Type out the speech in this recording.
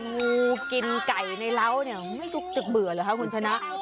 งูกินไก่ในเล้าไม่จึกเบื่อหรือคะคุณชนะ